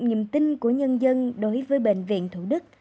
niềm tin của nhân dân đối với bệnh viện thủ đức